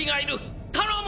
頼む！